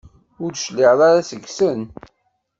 Ur d-tecliɛeḍ ara seg-sen?